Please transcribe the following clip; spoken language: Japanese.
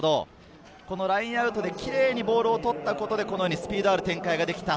ラインアウトでキレイにボールを取ったことでスピードある展開ができた。